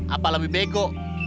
apa lebih bego